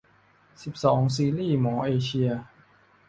สิบสอง ซีรีส์หมอเอเชีย